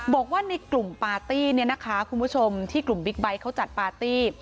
บอกว่าในกลุ่มปาร์ตี้เนี่ยนะคะคุณผู้ชมที่กลุ่มบิ๊กไบท์เขาจัดปาร์ตี้